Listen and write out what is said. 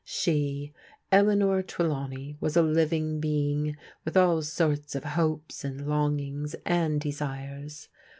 She, Eleanor Trelawney, was a living being, with all sorts of hopes and longings, and desires.